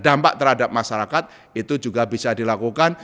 dampak terhadap masyarakat itu juga bisa dilakukan